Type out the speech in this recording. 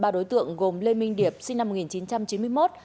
ba đối tượng gồm lê minh điệp sinh năm một nghìn chín trăm chín mươi một